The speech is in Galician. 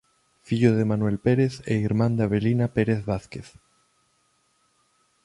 Fillo de Manuel Pérez e irmán de Avelina Pérez Vázquez.